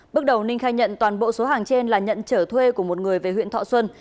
bước đầu ninh khai nhận toàn bộ số hàng trên là nhận trở thuê của một người về huyện thọ xuân